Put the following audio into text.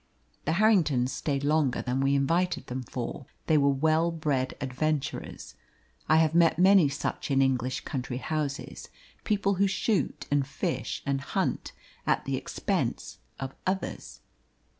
The Harringtons stayed longer than we invited them for. They were well bred adventurers. I have met many such in English country houses people who shoot, and fish, and hunt at the expense of others.